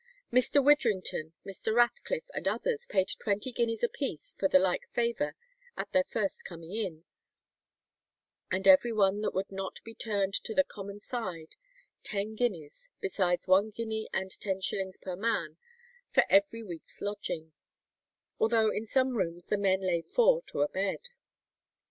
Mr. Widdrington, Mr. Ratcliffe, and others paid twenty guineas apiece for the like favour at their first coming in; and every one that would not be turned to the common side, ten guineas, besides one guinea and ten shillings per man for every week's lodging, although in some rooms the men lay four in a bed.